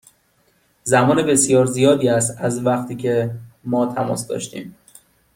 زمان بسیار زیادی است از وقتی که ما تماس داشتیم.